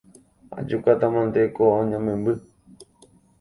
Ajukátamante ko añamemby